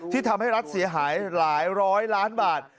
ที่ทำให้รัฐเสียหายหลายร้อยล้านบาท